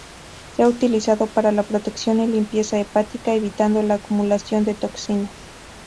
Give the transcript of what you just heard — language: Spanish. Se ha utilizado para la protección y limpieza hepática, evitando la acumulación de toxinas.